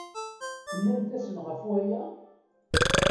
Tennamt-asen ɣef waya?